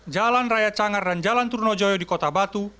jalan raya cangar dan jalan turnojoyo di kota batu